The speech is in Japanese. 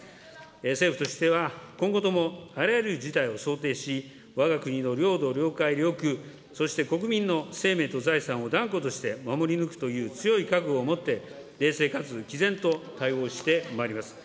政府としては今後ともあらゆる事態を想定し、わが国の領土、領海、領空、そして国民の生命と財産を断固として守り抜くという強い覚悟を持って、冷静かつきぜんと対応してまいります。